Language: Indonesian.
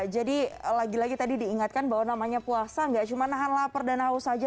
jadi lagi lagi tadi diingatkan bahwa namanya puasa enggak cuma nahan lapar dan haus saja